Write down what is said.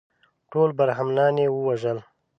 ټول برهمنان یې ووژل.